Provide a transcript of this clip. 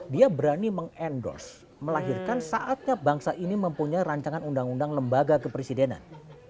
dia berani mengendorse melahirkan saatnya bangsa ini mempunyai rancangan undang undang lembaga kepresidenan